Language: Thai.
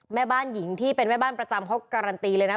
แม่บ้านหญิงที่เป็นแม่บ้านประจำเขาการันตีเลยนะ